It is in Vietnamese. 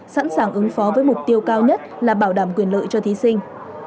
sẵn sàng ứng phó với mục tiêu cao nhất là bảo đảm quyền lợi cho thí sinh